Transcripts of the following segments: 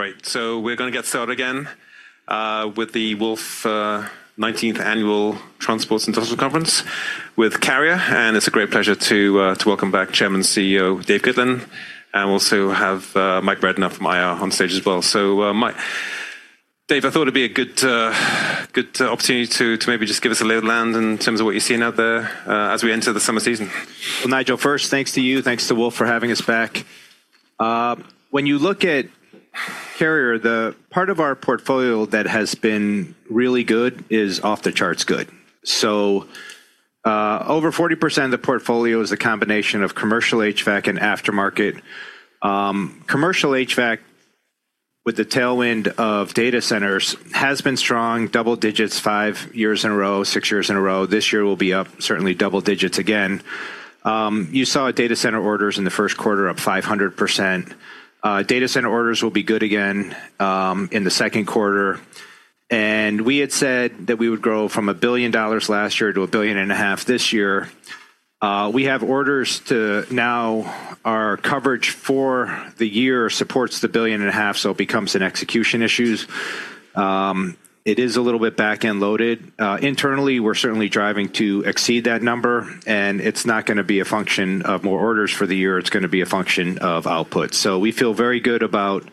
Great. We're gonna get started again with the Wolfe 19th Annual Transports and Industrial Conference with Carrier, and it's a great pleasure to welcome back Chairman and CEO Dave Gitlin, and we also have Mike Rednor from IR on stage as well. Mike. Dave, I thought it'd be a good opportunity to maybe just give us a lay of land in terms of what you're seeing out there as we enter the summer season. Well, Nigel, first, thanks to you, thanks to Wolfe for having us back. When you look at Carrier, the part of our portfolio that has been really good is off the charts good. Over 40% of the portfolio is a combination of Commercial HVAC and aftermarket. Commercial HVAC with the tailwind of data centers has been strong, double digits five years in a row, six years in a row. This year will be up certainly double digits again. You saw data center orders in the first quarter up 500%. Data center orders will be good again in the second quarter. We had said that we would grow from $1 billion last year to $1.5 billion this year. We have orders to now our coverage for the year supports the $1.5 billion, so it becomes an execution issues. It is a little bit back-end loaded. Internally, we're certainly driving to exceed that number, and it's not gonna be a function of more orders for the year, it's gonna be a function of output. We feel very good about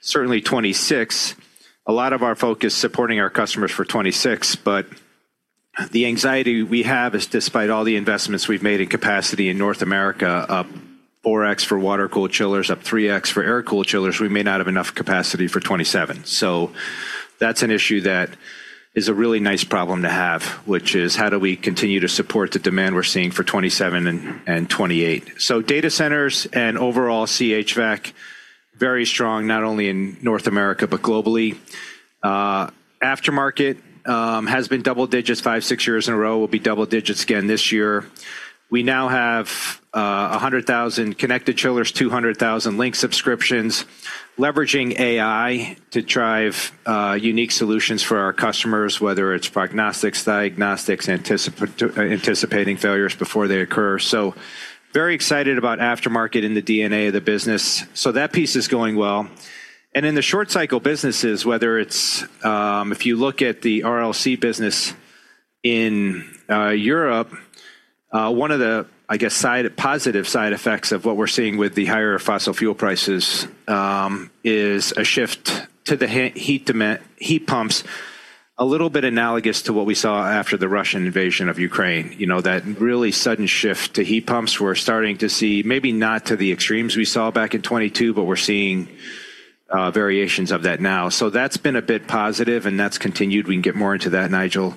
certainly 2026. A lot of our focus supporting our customers for 2026, but the anxiety we have is despite all the investments we've made in capacity in North America, up 4x for water-cooled chillers, up 3x for air-cooled chillers, we may not have enough capacity for 2027. That's an issue that is a really nice problem to have, which is how do we continue to support the demand we're seeing for 2027 and 2028. Data centers and overall CHVAC, very strong, not only in North America, but globally. Aftermarket has been double digits five, six years in a row, will be double digits again this year. We now have 100,000 connected chillers, 200,000 linked subscriptions, leveraging AI to drive unique solutions for our customers, whether it's prognostics, diagnostics, anticipating failures before they occur. Very excited about aftermarket in the DNA of the business. That piece is going well. In the short cycle businesses, whether it's, if you look at the RLC business in Europe, one of the, I guess, side, positive side effects of what we're seeing with the higher fossil fuel prices, is a shift to the heat pumps, a little bit analogous to what we saw after the Russian invasion of Ukraine. You know, that really sudden shift to heat pumps, we're starting to see maybe not to the extremes we saw back in 2022, but we're seeing variations of that now. That's been a bit positive, and that's continued. We can get more into that, Nigel.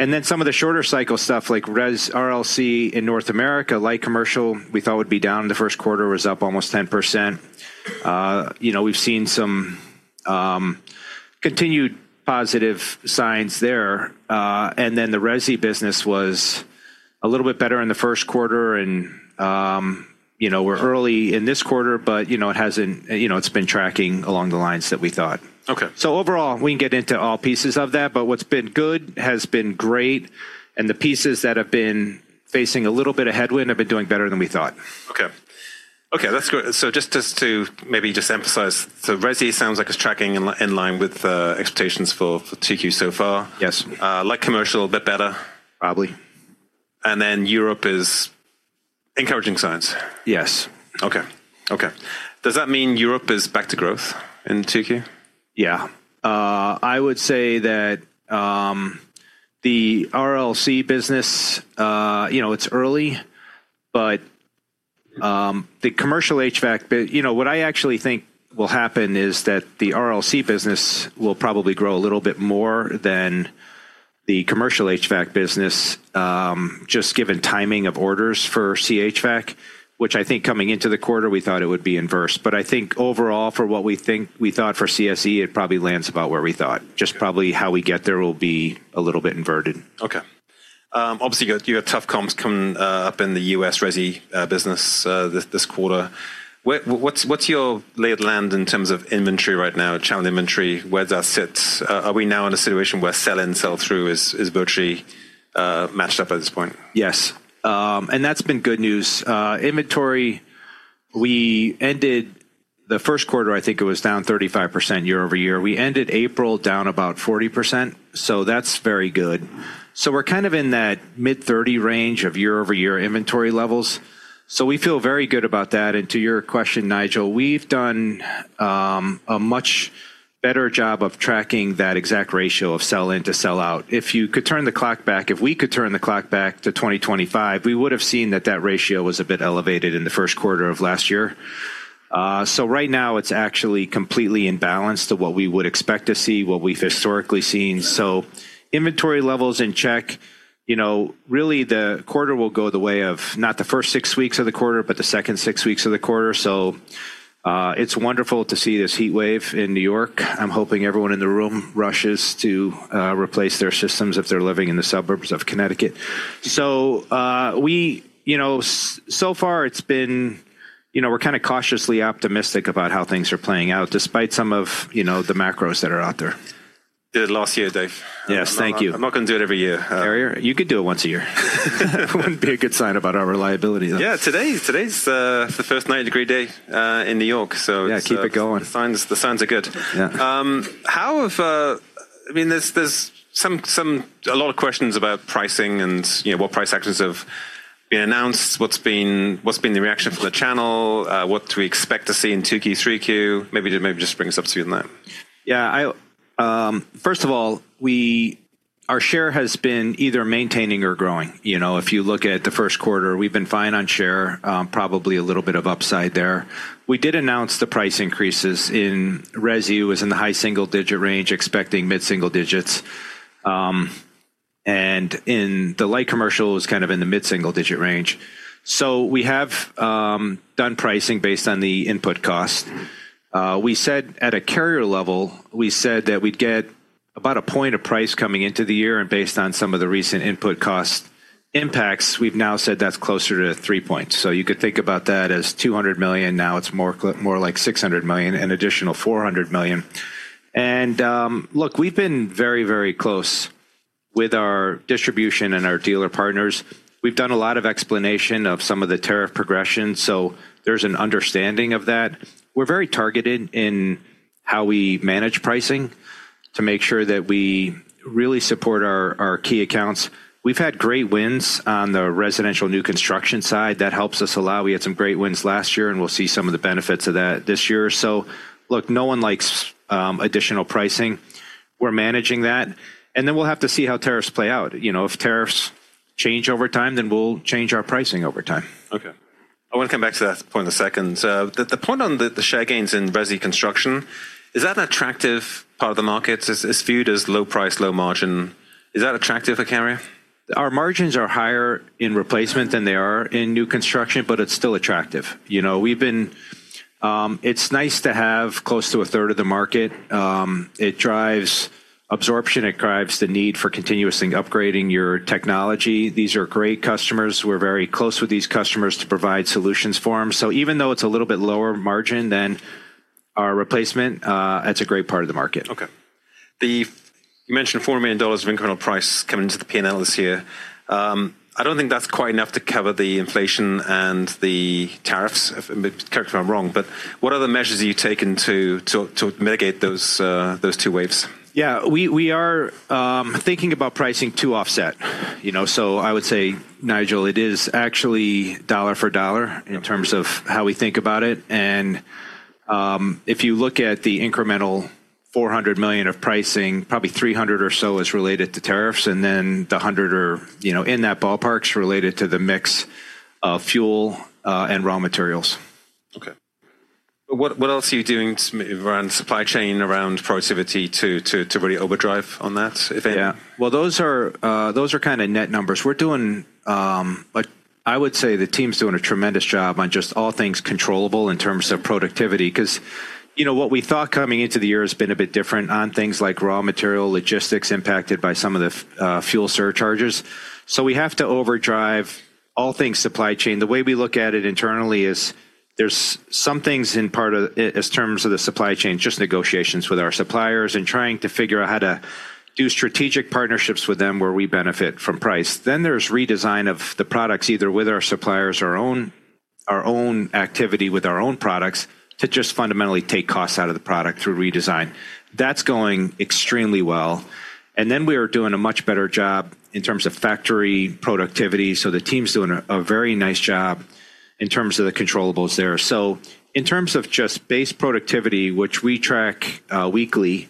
Yep. Some of the shorter cycle stuff like RLC in North America, light commercial, we thought would be down in the first quarter, was up almost 10%. you know, we've seen some continued positive signs there. The Resi business was a little bit better in the first quarter and, you know, we're early in this quarter, but, you know, it hasn't, you know, it's been tracking along the lines that we thought. Okay. Overall, we can get into all pieces of that, but what's been good has been great, and the pieces that have been facing a little bit of headwind have been doing better than we thought. Okay, that's good. Just to maybe just emphasize. Resi sounds like it's tracking in line with expectations for 2Q so far. Yes. Light Commercial a bit better. Probably. Europe is encouraging signs. Yes. Okay. Okay. Does that mean Europe is back to growth in 2Q? I would say that, the RLC business, you know, it's early, but, the Commercial HVAC. You know, what I actually think will happen is that the RLC business will probably grow a little bit more than the Commercial HVAC business, just given timing of orders for CHVAC, which I think coming into the quarter, we thought it would be inverse. I think overall, for what we think, we thought for CSE, it probably lands about where we thought. Just probably how we get there will be a little bit inverted. Obviously, you got tough comps coming up in the U.S. Resi business this quarter. What's your lay of land in terms of inventory right now? Channel inventory, where does that sit? Are we now in a situation where sell in, sell through is virtually matched up at this point? Yes. That's been good news. Inventory, we ended the first quarter, I think it was down 35% year-over-year. We ended April down about 40%. That's very good. We're kind of in that mid-30 range of year-over-year inventory levels. We feel very good about that. To your question, Nigel, we've done a much better job of tracking that exact ratio of sell-in to sell-out. If you could turn the clock back, if we could turn the clock back to 2025, we would have seen that that ratio was a bit elevated in the first quarter of last year. Right now, it's actually completely in balance to what we would expect to see, what we've historically seen. Inventory levels in check. You know, really the quarter will go the way of not the first six weeks of the quarter, but the second six weeks of the quarter. It's wonderful to see this heatwave in New York. I'm hoping everyone in the room rushes to replace their systems if they're living in the suburbs of Connecticut. We, you know, so far it's been, you know, we're kinda cautiously optimistic about how things are playing out despite some of, you know, the macros that are out there. Did it last year, Dave. Yes, thank you. I'm not gonna do it every year. Carrier. You could do it once a year. It wouldn't be a good sign about our reliability though. Yeah. Today's the first 90 degree day in New York, so it's. Yeah, keep it going Signs, the signs are good. Yeah. I mean, there's a lot of questions about pricing and, you know, what price actions have been announced, what's been the reaction from the channel, what do we expect to see in 2Q, 3Q? Maybe just bring us up to speed on that. I'll, first of all, our share has been either maintaining or growing. You know, if you look at the first quarter, we've been fine on share, probably a little bit of upside there. We did announce the price increases in Resi was in the high single-digit range, expecting mid single digits. In the Light Commercial, it was kind of in the mid single-digit range. We have done pricing based on the input cost. We said at a Carrier level, we said that we'd get about a point of price coming into the year. Based on some of the recent input cost impacts, we've now said that's closer to three points. You could think about that as $200 million, now it's more like $600 million, an additional $400 million. Look, we've been very, very close with our distribution and our dealer partners. We've done a lot of explanation of some of the tariff progression, so there's an understanding of that. We're very targeted in how we manage pricing to make sure that we really support our key accounts. We've had great wins on the residential new construction side. We had some great wins last year, and we'll see some of the benefits of that this year. Look, no one likes additional pricing. We're managing that, and then we'll have to see how tariffs play out. You know, if tariffs change over time, then we'll change our pricing over time. Okay. I wanna come back to that point in a second. The point on the share gains in Resi construction, is that an attractive part of the market? It's viewed as low price, low margin. Is that attractive for Carrier? Our margins are higher in replacement than they are in new construction. It's still attractive. You know, it's nice to have close to 1/3 of the market. It drives absorption, it drives the need for continuously upgrading your technology. These are great customers. We're very close with these customers to provide solutions for 'em. Even though it's a little bit lower margin than our replacement, that's a great part of the market. Okay. You mentioned $4 million of incremental price coming into the P&L this year. I don't think that's quite enough to cover the inflation and the tariffs. Correct me if I'm wrong, what other measures are you taking to mitigate those two waves? Yeah. We are thinking about pricing to offset, you know. I would say, Nigel, it is actually dollar for dollar in terms of how we think about it. If you look at the incremental $400 million of pricing, probably $300 or so is related to tariffs, and then the $100 or, you know, in that ballpark is related to the mix of fuel and raw materials. Okay. What else are you doing around supply chain, around productivity to really overdrive on that if any? Well, those are kind of net numbers. We're doing, Like, I would say the team's doing a tremendous job on just all things controllable in terms of productivity. Because, you know, what we thought coming into the year has been a bit different on things like raw material, logistics impacted by some of the fuel surcharges. We have to overdrive all things supply chain. The way we look at it internally is there's some things in part of, as terms of the supply chain, just negotiations with our suppliers and trying to figure out how to do strategic partnerships with them where we benefit from price. There's redesign of the products, either with our suppliers, our own, our own activity with our own products, to just fundamentally take costs out of the product through redesign. That's going extremely well. We are doing a much better job in terms of factory productivity, so the team's doing a very nice job in terms of the controllables there. In terms of just base productivity, which we track weekly,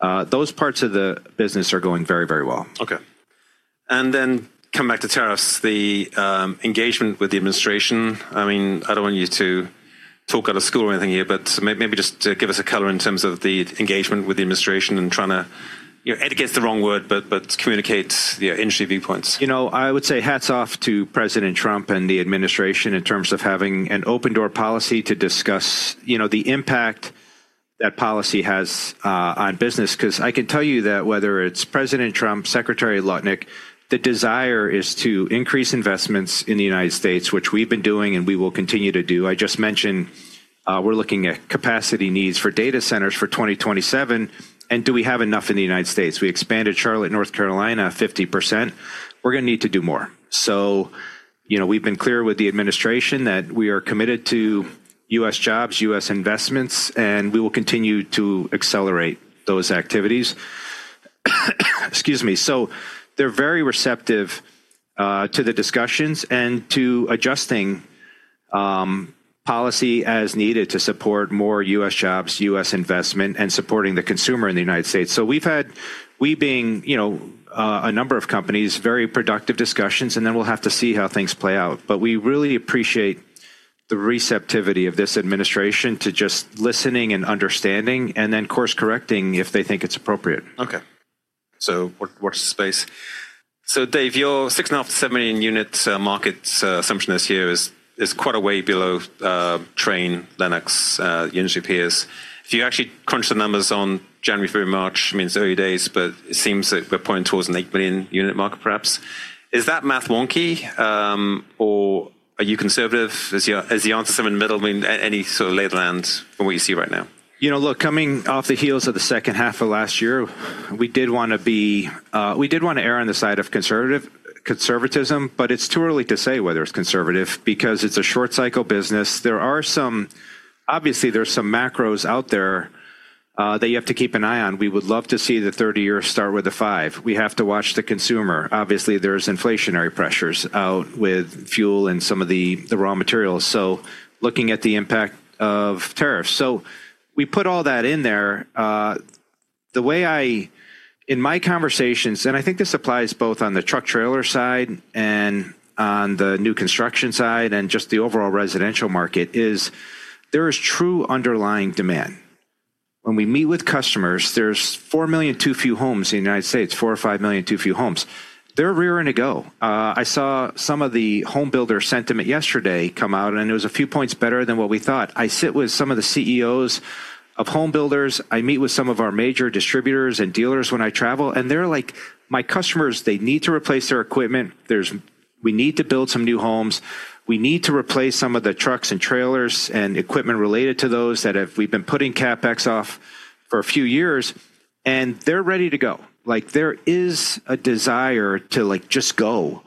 those parts of the business are going very, very well. Okay. Coming back to tariffs, the engagement with the administration. I mean, I don't want you to talk out of school or anything here, but maybe just give us a color in terms of the engagement with the administration and trying to, you know, educate is the wrong word, but communicate the industry viewpoints. You know, I would say hats off to President Trump and the administration in terms of having an open door policy to discuss, you know, the impact that policy has on business. I can tell you that whether it's President Trump, Secretary Lutnick, the desire is to increase investments in the United States, which we've been doing and we will continue to do. I just mentioned, we're looking at capacity needs for data centers for 2027, and do we have enough in the United States? We expanded Charlotte, North Carolina, 50%. We're gonna need to do more. You know, we've been clear with the administration that we are committed to U.S. jobs, U.S. investments, and we will continue to accelerate those activities. Excuse me. They're very receptive to the discussions and to adjusting policy as needed to support more U.S. jobs, U.S. investment, and supporting the consumer in the United States. We've had, we being, you know, a number of companies, very productive discussions, we'll have to see how things play out. We really appreciate the receptivity of this administration to just listening and understanding course correcting if they think it's appropriate. Okay. Worth the space. Dave, your 6.5 million-7 million units market assumption this year is quite a way below Trane, Lennox industry peers. If you actually crunch the numbers on January through March, I mean, it's early days, but it seems that we're pointing towards an 8 million unit market perhaps. Is that math wonky, or are you conservative? Is the answer somewhere in the middle? I mean, any sort of lay of the land from what you see right now? You know, look, coming off the heels of the second half of last year, we did wanna be, we did wanna err on the side of conservative conservatism. It's too early to say whether it's conservative because it's a short cycle business. There are some, obviously, there's some macros out there that you have to keep an eye on. We would love to see the 30-year start with a five. We have to watch the consumer. Obviously, there's inflationary pressures out with fuel and some of the raw materials. Looking at the impact of tariffs. We put all that in there. The way I in my conversations, and I think this applies both on the truck trailer side and on the new construction side and just the overall residential market, is there is true underlying demand. When we meet with customers, there's 4 million too few homes in the U.S., 4 million or 5 million too few homes. They're raring to go. I saw some of the home builder sentiment yesterday come out, it was a few points better than what we thought. I sit with some of the CEOs of home builders, I meet with some of our major distributors and dealers when I travel, they're like, "My customers, they need to replace their equipment. We need to build some new homes. We need to replace some of the trucks and trailers and equipment related to those We've been putting CapEx off for a few years," they're ready to go. Like, there is a desire to, like, just go.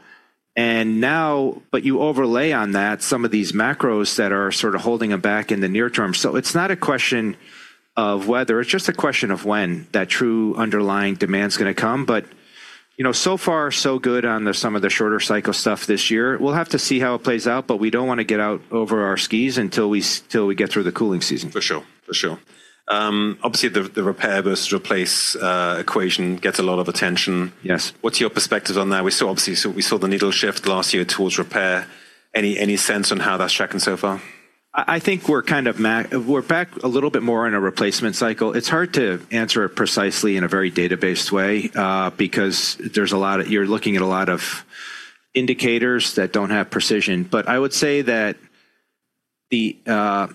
Now you overlay on that some of these macros that are sort of holding them back in the near term. It's not a question of whether, it's just a question of when that true underlying demand's gonna come. You know, so far, so good on the, some of the shorter cycle stuff this year. We'll have to see how it plays out, but we don't wanna get out over our skis until we get through the cooling season. For sure. For sure. Obviously, the repair versus replace equation gets a lot of attention. Yes. What's your perspective on that? We saw, obviously, the needle shift last year towards repair. Any sense on how that's tracking so far? I think we're kind of back a little bit more in a replacement cycle. It's hard to answer it precisely in a very data-based way, because You're looking at a lot of indicators that don't have precision. I would say that the, at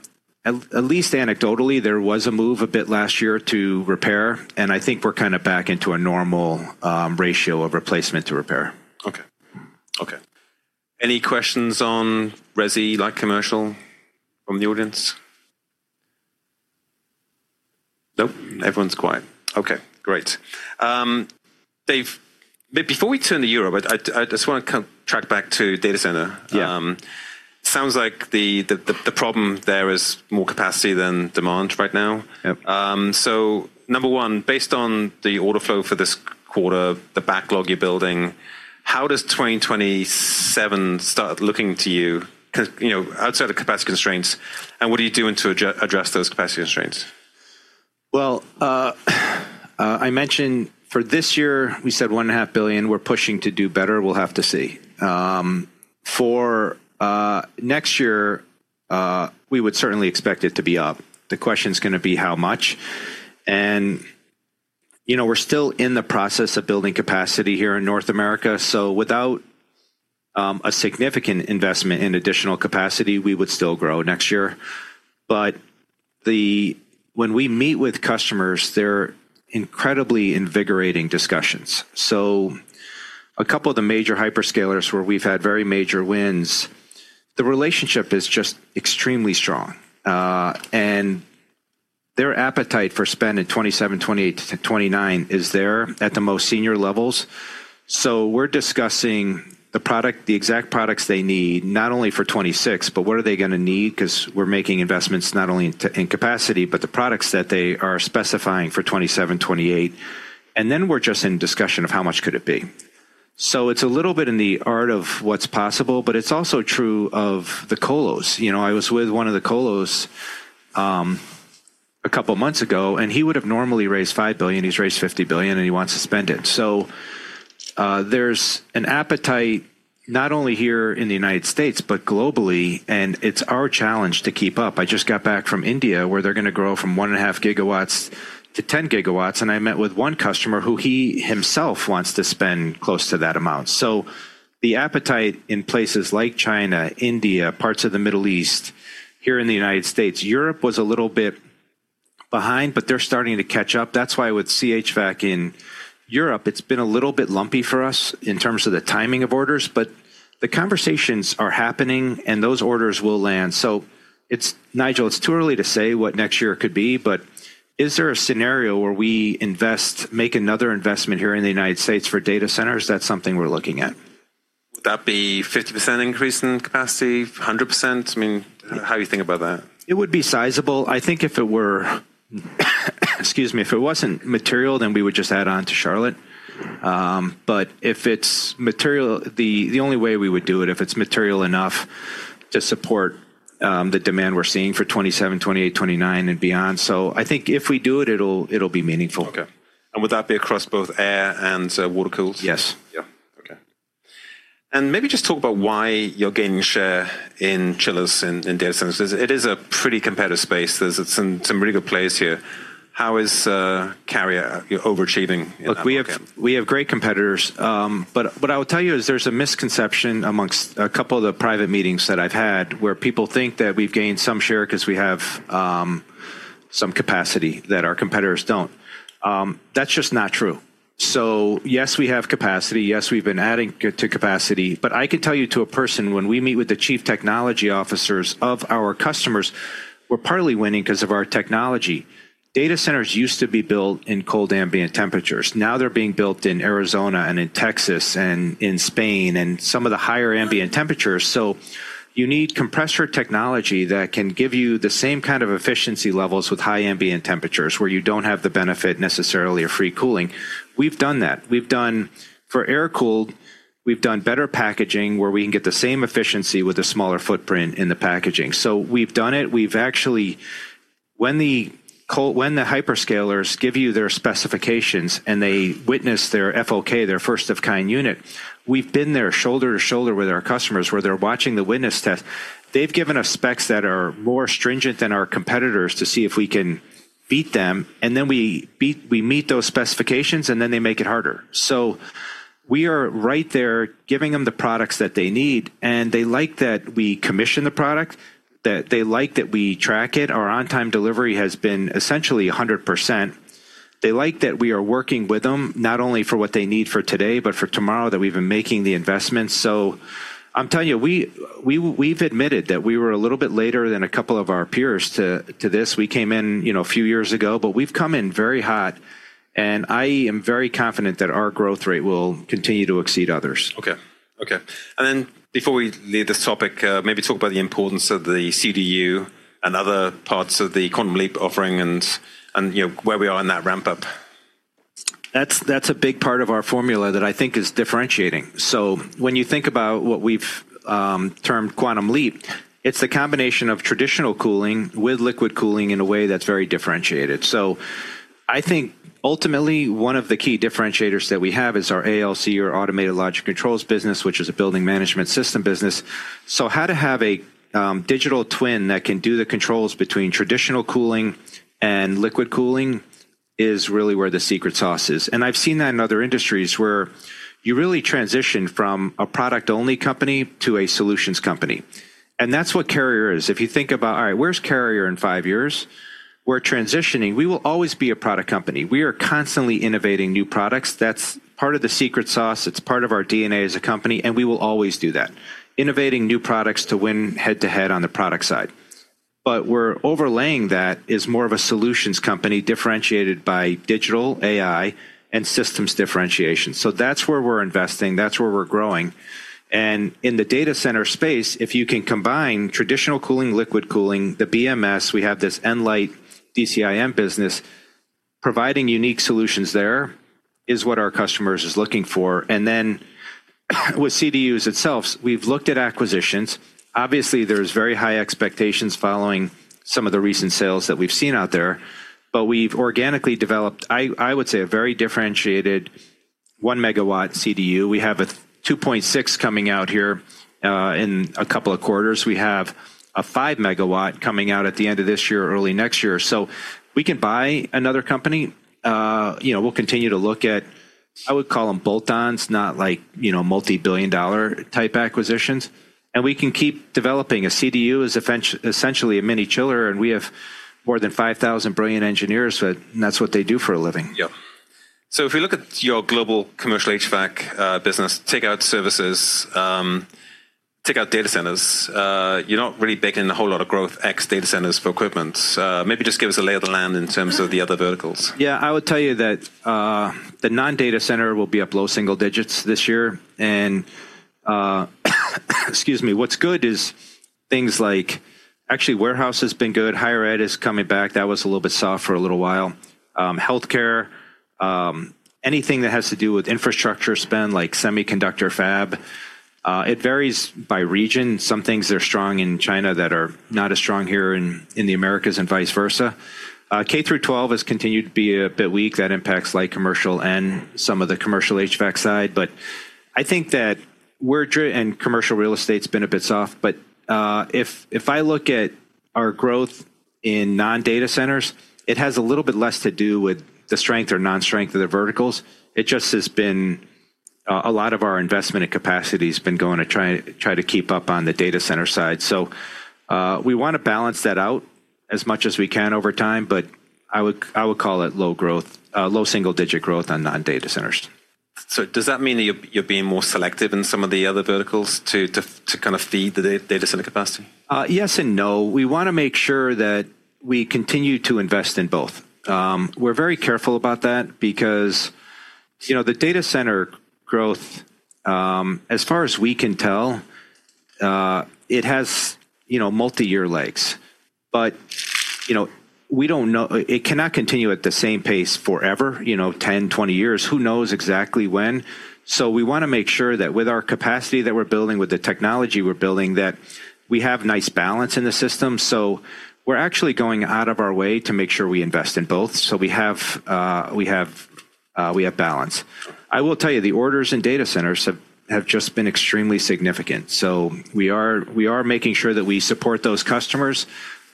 least anecdotally, there was a move a bit last year to repair, and I think we're kinda back into a normal ratio of replacement to repair. Okay. Okay. Any questions on Resi, Light Commercial from the audience? Nope. Everyone's quiet. Okay, great. Dave, before we turn to Europe, I just wanna track back to data center. Yeah. Sounds like the problem there is more capacity than demand right now. Yep. Number one, based on the order flow for this quarter, the backlog you're building, how does 2027 start looking to you? 'Cause, you know, outside of capacity constraints, and what are you doing to address those capacity constraints? I mentioned for this year we said 1.5 billion. We're pushing to do better. We'll have to see. For next year, we would certainly expect it to be up. The question's gonna be how much. You know, we're still in the process of building capacity here in North America, so without a significant investment in additional capacity, we would still grow next year. When we meet with customers, they're incredibly invigorating discussions. A couple of the major hyperscalers where we've had very major wins, the relationship is just extremely strong. Their appetite for spend in 2027, 2028 to 2029 is there at the most senior levels. We're discussing the product, the exact products they need, not only for 2026, but what are they gonna need 'cause we're making investments not only in capacity, but the products that they are specifying for 2027, 2028. We're just in discussion of how much could it be. It's a little bit in the art of what's possible, but it's also true of the colos. You know, I was with one of the colos, a couple months ago, and he would have normally raised $5 billion. He's raised $50 billion, and he wants to spend it. There's an appetite not only here in the U.S., but globally, and it's our challenge to keep up. I just got back from India, where they're gonna grow from 1.5 GW to 10 GW, and I met with one customer who he himself wants to spend close to that amount. The appetite in places like China, India, parts of the Middle East, here in the United States. Europe was a little bit behind, they're starting to catch up. That's why with HVAC in Europe, it's been a little bit lumpy for us in terms of the timing of orders. The conversations are happening, and those orders will land. Nigel, it's too early to say what next year could be, but is there a scenario where we invest, make another investment here in the United States for data centers? That's something we're looking at. Would that be 50% increase in capacity? 100%? I mean, how are you thinking about that? It would be sizable. I think if it were excuse me, if it wasn't material, then we would just add on to Charlotte. If it's material, the only way we would do it, if it's material enough to support the demand we're seeing for 2027, 2028, 2029 and beyond. I think if we do it'll be meaningful. Okay. Would that be across both air and water cools? Yes. Yeah. Okay. Maybe just talk about why you're gaining share in chillers in data centers. It is a pretty competitive space. There's some really good players here. How is Carrier, you're overachieving in that market? Look, we have great competitors. But what I will tell you is there's a misconception amongst a couple of the private meetings that I've had, where people think that we've gained some share 'cause we have some capacity that our competitors don't. That's just not true. Yes, we have capacity. Yes, we've been adding to capacity. I can tell you to a person, when we meet with the chief technology officers of our customers, we're partly winning 'cause of our technology. Data centers used to be built in cold ambient temperatures. Now they're being built in Arizona and in Texas and in Spain and some of the higher ambient temperatures. You need compressor technology that can give you the same kind of efficiency levels with high ambient temperatures, where you don't have the benefit necessarily of free cooling. We've done that. We've done for air-cooled, we've done better packaging where we can get the same efficiency with a smaller footprint in the packaging. We've done it. We've actually When the hyperscalers give you their specifications and they witness their FOAK, their first of kind unit, we've been there shoulder to shoulder with our customers, where they're watching the witness test. They've given us specs that are more stringent than our competitors to see if we can beat them, we meet those specifications, they make it harder. We are right there giving them the products that they need, and they like that we commission the product, that they like that we track it. Our on-time delivery has been essentially 100%. They like that we are working with them not only for what they need for today but for tomorrow, that we've been making the investments. I'm telling you, we've admitted that we were a little bit later than a couple of our peers to this. We came in, you know, a few years ago, but we've come in very hot, and I am very confident that our growth rate will continue to exceed others. Okay. Then before we leave this topic, maybe talk about the importance of the CDU and other parts of the QuantumLeap offering and, you know, where we are in that ramp-up. That's a big part of our formula that I think is differentiating. When you think about what we've termed QuantumLeap, it's the combination of traditional cooling with liquid cooling in a way that's very differentiated. I think ultimately one of the key differentiators that we have is our ALC or Automated Logic Controls business, which is a building management system business. How to have a digital twin that can do the controls between traditional cooling and liquid cooling is really where the secret sauce is. I've seen that in other industries where you really transition from a product-only company to a solutions company, and that's what Carrier is. If you think about, all right, where's Carrier in five years? We're transitioning. We will always be a product company. We are constantly innovating new products. That's part of the secret sauce. It's part of our DNA as a company, and we will always do that. Innovating new products to win head-to-head on the product side. We're overlaying that as more of a solutions company differentiated by digital, AI, and systems differentiation. That's where we're investing, that's where we're growing. In the data center space, if you can combine traditional cooling, liquid cooling, the BMS, we have this Nlyte DCIM business, providing unique solutions there is what our customers are looking for. With CDUs itself, we've looked at acquisitions. Obviously, there's very high expectations following some of the recent sales that we've seen out there, but we've organically developed, I would say, a very differentiated 1 MW CDU. We have a 2.6 coming out here in a couple of quarters. We have a 5 MW coming out at the end of this year or early next year. We can buy another company. You know, we'll continue to look at, I would call them bolt-ons, not like, you know, multi-billion dollar type acquisitions. We can keep developing. A CDU is essentially a mini chiller, and we have more than 5,000 brilliant engineers, so that's what they do for a living. Yep. If we look at your global Commercial HVAC business, take out services, take out data centers, you're not really baking a whole lot of growth ex data centers for equipment. Maybe just give us a lay of the land in terms of the other verticals. Yeah. I would tell you that the non-data center will be up low single digits this year. Excuse me. What's good is, things like. Actually, warehouse has been good. Higher ed is coming back. That was a little bit soft for a little while. Healthcare, anything that has to do with infrastructure spend like semiconductor fab. It varies by region. Some things are strong in China that are not as strong here in the Americas and vice versa. K through 12 has continued to be a bit weak. That impacts Light Commercial and some of the Commercial HVAC side. I think that commercial real estate's been a bit soft. If I look at our growth in non-data centers, it has a little bit less to do with the strength or non-strength of the verticals. It just has been a lot of our investment and capacity has been going to try to keep up on the data center side. We wanna balance that out as much as we can over time, but I would call it low growth, low-single-digit growth on non-data centers. Does that mean that you're being more selective in some of the other verticals to kind of feed the data center capacity? Yes and no. We wanna make sure that we continue to invest in both. We're very careful about that because, you know, the data center growth, as far as we can tell, it has, you know, multi-year legs. You know, it cannot continue at the same pace forever, you know, 10, 20 years. Who knows exactly when? We wanna make sure that with our capacity that we're building, with the technology we're building, that we have nice balance in the system. We're actually going out of our way to make sure we invest in both. We have balance. I will tell you, the orders in data centers have just been extremely significant. We are making sure that we support those customers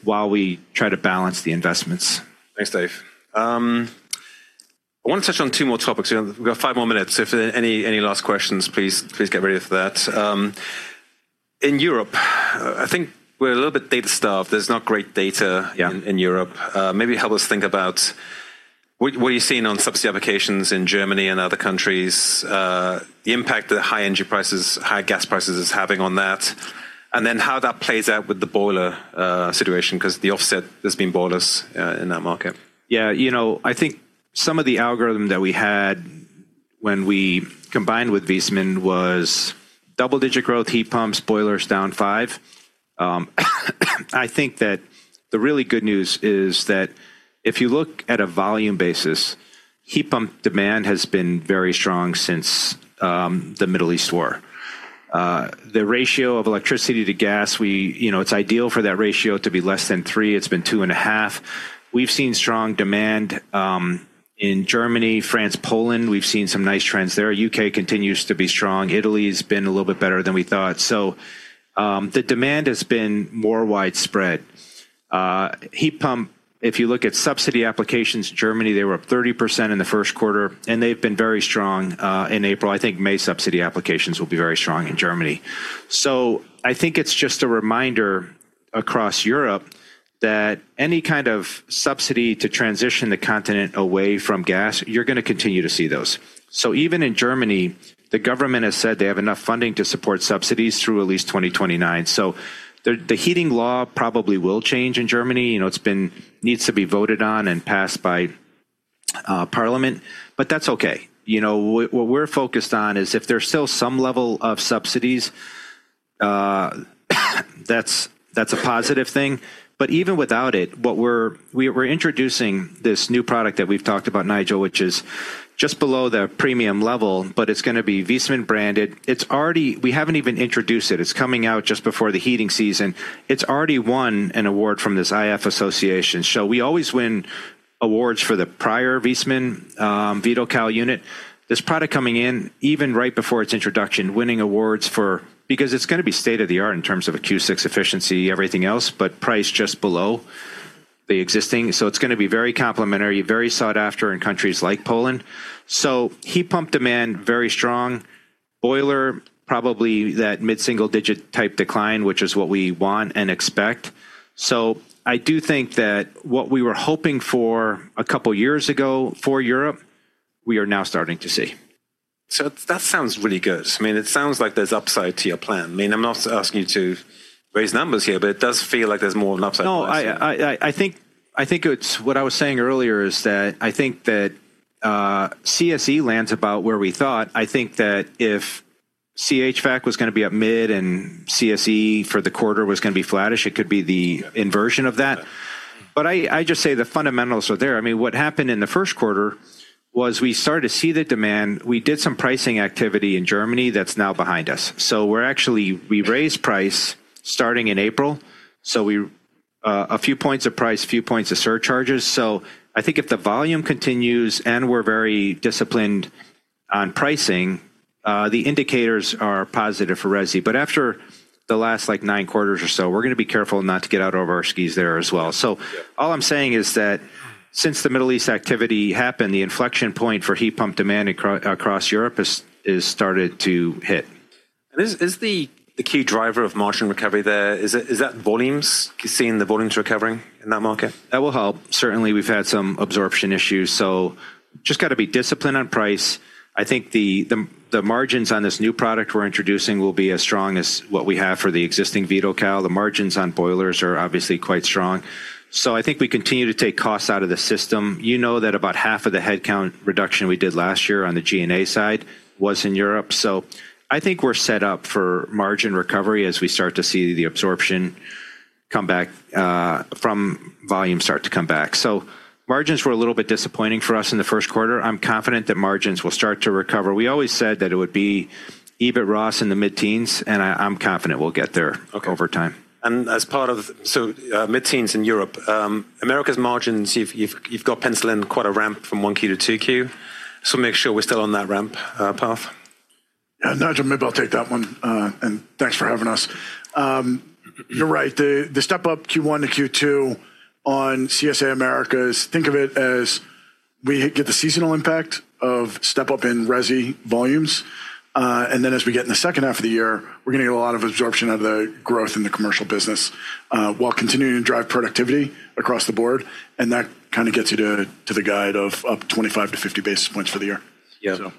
while we try to balance the investments. Thanks, Dave. I want to touch on two more topics. We've got five more minutes. If there are any last questions, please get ready for that. In Europe, I think we're a little bit data starved. There's not great data. Yeah In Europe. Maybe help us think about what are you seeing on subsidy applications in Germany and other countries, the impact that high energy prices, high gas prices is having on that, and then how that plays out with the boiler situation, 'cause the offset has been boilers in that market? Yeah, you know, I think some of the algorithm that we had when we combined with Viessmann was double-digit growth heat pumps, boilers down five. I think that the really good news is that if you look at a volume basis, heat pump demand has been very strong since the Middle East War. The ratio of electricity to gas, we, you know, it's ideal for that ratio to be less than three. It's been 2.5. We've seen strong demand in Germany, France, Poland. We've seen some nice trends there. U.K. continues to be strong. Italy's been a little bit better than we thought. The demand has been more widespread. Heat pump, if you look at subsidy applications, Germany, they were up 30% in the first quarter, and they've been very strong in April I think May subsidy applications will be very strong in Germany. I think it's just a reminder across Europe that any kind of subsidy to transition the continent away from gas, you're gonna continue to see those. Even in Germany, the government has said they have enough funding to support subsidies through at least 2029. The heating law probably will change in Germany. You know, it's been needs to be voted on and passed by parliament, but that's okay. You know, what we're focused on is if there's still some level of subsidies, that's a positive thing. Even without it, we're introducing this new product that we've talked about, Nigel, which is just below the premium level, but it's gonna be Viessmann branded. We haven't even introduced it. It's coming out just before the heating season. It's already won an award from this iF association. We always win awards for the prior Viessmann Vitocal unit. This product coming in even right before its introduction, winning awards for Because it's gonna be state-of-the-art in terms of a Q6 efficiency, everything else, but priced just below the existing. It's gonna be very complementary, very sought after in countries like Poland. Heat pump demand, very strong. Boiler, probably that mid-single-digit type decline, which is what we want and expect. I do think that what we were hoping for a couple years ago for Europe, we are now starting to see. That sounds really good. I mean, it sounds like there's upside to your plan. I mean, I'm not asking you to raise numbers here, but it does feel like there's more of an upside. I think it's what I was saying earlier is that I think that CSE lands about where we thought. I think that if CHVAC was going to be up mid and CSE for the quarter was going to be flattish, it could be the inversion of that. I just say the fundamentals are there. I mean, what happened in the first quarter was we started to see the demand. We did some pricing activity in Germany that is now behind us. We raised price starting in April, we a few points of price, a few points of surcharges. I think if the volume continues and we are very disciplined on pricing, the indicators are positive for Resi. After the last, like, nine quarters or so, we're going to be careful not to get out over our skis there as well. Yeah. All I'm saying is that since the Middle East activity happened, the inflection point for heat pump demand across Europe has, is started to hit. Is the key driver of margin recovery there, is that volumes? You're seeing the volumes recovering in that market? That will help. Certainly, we've had some absorption issues, so just gotta be disciplined on price. I think the margins on this new product we're introducing will be as strong as what we have for the existing Vitocal. The margins on boilers are obviously quite strong. I think we continue to take costs out of the system. You know that about half of the headcount reduction we did last year on the G&A side was in Europe. I think we're set up for margin recovery as we start to see the absorption come back, from volume start to come back. Margins were a little bit disappointing for us in the first quarter. I'm confident that margins will start to recover. We always said that it would be EBIT ROS in the mid-teens, and I'm confident we'll get there. Okay. Over time. Mid-teens in Europe. Americas margins, you've got penciled in quite a ramp from 1Q to 2Q. Make sure we're still on that ramp path. Nigel, maybe I'll take that one. Thanks for having us. You're right. The step up Q1 to Q2 on CSA Americas, think of it as we get the seasonal impact of step up in Resi volumes. Then as we get in the second half of the year, we're gonna get a lot of absorption out of the growth in the Commercial business, while continuing to drive productivity across the board, and that kinda gets you to the guide of up 25 basis points-50 basis points for the year. Yeah. So.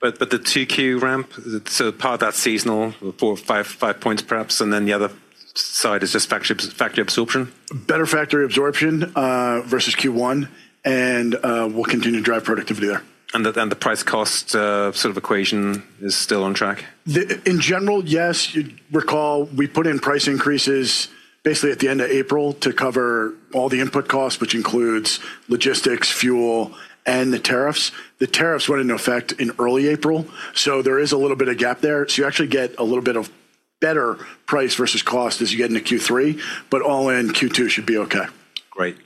The 2Q ramp, so part of that's seasonal, four, five points perhaps, and then the other side is just factory absorption? Better factory absorption, versus Q1 and we'll continue to drive productivity there. The price cost, sort of equation is still on track? In general, yes. You recall we put in price increases basically at the end of April to cover all the input costs, which includes logistics, fuel, and the tariffs. The tariffs went into effect in early April, there is a little bit of gap there. You actually get a little bit of better price versus cost as you get into Q3, but all in Q2 should be okay. Great.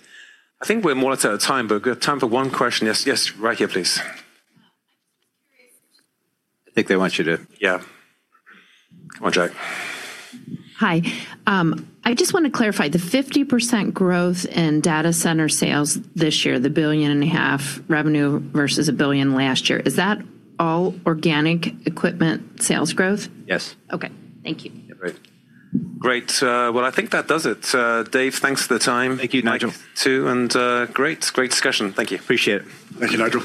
I think we're more or less out of time, but we have time for one question. Yes, yes. Right here, please. I'm just curious. I think they want you to. Yeah. Come on, Jack. Hi. I just wanna clarify. The 50% growth in data center sales this year, the $1.5 billion Revenue versus $1 billion last year, is that all organic equipment sales growth? Yes. Okay. Thank you. Great. Great. I think that does it. Dave, thanks for the time. Thank you, Nigel. Mike too, great discussion. Thank you. Appreciate it. Thank you, Nigel.